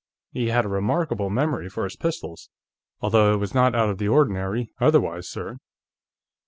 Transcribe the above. He had a remarkable memory for his pistols, although it was not out of the ordinary otherwise, sir."